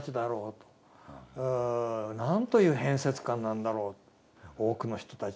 何という変節漢なんだろう多くの人たちは。